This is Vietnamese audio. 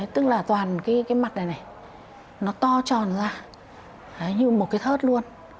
tức là toàn cái mặt này này nó to tròn ra như một cái thớt luôn